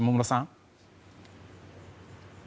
下村さん。